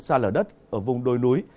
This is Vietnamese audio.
xa lở đất ở vùng đồi núi